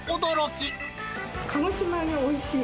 鹿児島揚げ、おいしい。